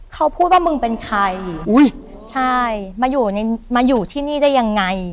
เขาพูดว่ามึงเป็นใครอุ้ยใช่มาอยู่ในมาอยู่ที่นี่ได้ยังไง